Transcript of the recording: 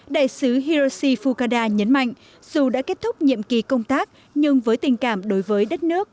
đại sứ hiroshi fukada nhấn mạnh dù đã kết thúc nhiệm kỳ công tác nhưng với tình cảm đối với đất nước